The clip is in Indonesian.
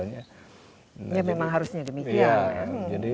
ya memang harusnya demikian